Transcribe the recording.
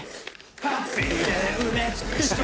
「ハッピーで埋め尽くして」